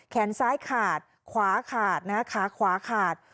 แขนซ้ายขาดขวาขาดนะฮะขาขวาขาด